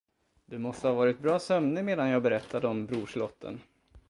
Du måste ha varit bra sömnig, medan jag berättade om brorslotten.